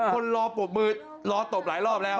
คนร้องปรบมือร้องตบหลายรอบแล้ว